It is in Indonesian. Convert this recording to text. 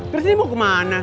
terus ini mau kemana